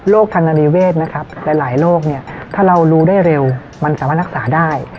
ธนานิเวศนะครับหลายโรคเนี่ยถ้าเรารู้ได้เร็วมันสามารถรักษาได้